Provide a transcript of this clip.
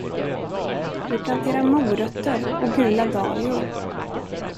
Vi planterar morötter och gula dahlior.